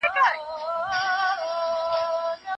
داسي دي سترګي زما غمونه د زړګي ورانوي